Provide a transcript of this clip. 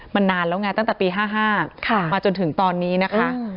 มันนานแล้วไงตั้งแต่ปี๕๕มาจนถึงตอนนี้นะคะ